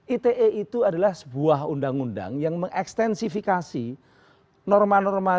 ite itu adalah sebuah undang undang yang mengekstensi norma norma